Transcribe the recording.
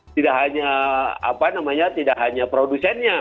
tidak hanya produsennya